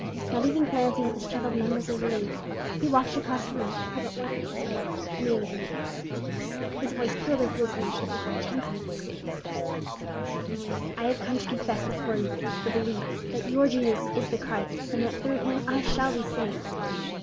Not even glancing at the startled members of the League, he walked across the room and held out one hand to Cragmore and the other to Marion. His voice thrilled his listeners with its intensity of purpose. "I have come to confess before you the belief that your Jesus is the Christ, and that through him I shall be saved."